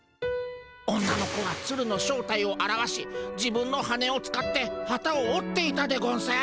女の子はツルの正体をあらわし自分の羽根を使ってハタをおっていたでゴンス。